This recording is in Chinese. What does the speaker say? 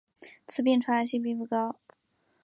此病传染性并不高。